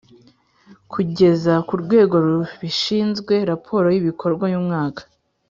Kugeza ku rwego rubishinzwe raporo y ibikorwa y umwaka